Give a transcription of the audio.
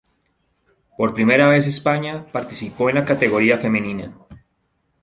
Por primera vez España participó en la categoría femenina.